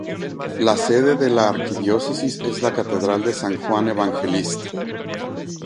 La sede de la Arquidiócesis es la Catedral de San Juan Evangelista.